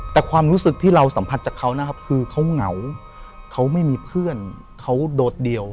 แต่ความรู้สึกที่เราสัมผัสจากเขานะครับคือเขาเหงาเขาไม่มีเพื่อนเขาโดดเดี่ยว